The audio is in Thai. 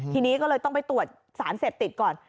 ทีนี้ก็เลยต้องไปตรวจสารเสพติดก่อน